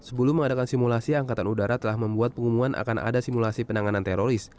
sebelum mengadakan simulasi angkatan udara telah membuat pengumuman akan ada simulasi penanganan teroris